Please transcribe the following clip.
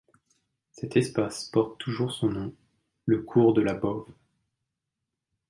Cet espace porte toujours son nom, le Cours De la Bôve.